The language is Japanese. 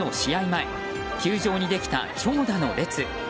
前球場にできた長蛇の列。